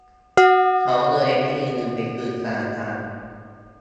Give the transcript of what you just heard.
เขาเลยไม่มีเงินไปคืนธนาคาร